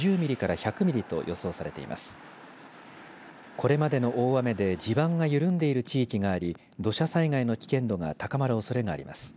これまでの大雨で地盤が緩んでいる地域があり土砂災害の危険度が高まるおそれがあります。